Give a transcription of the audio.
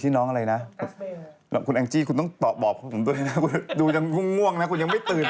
น้องอะไรนะคุณแองจี้คุณต้องตอบบอกผมด้วยนะว่าดูยังง่วงนะคุณยังไม่ตื่น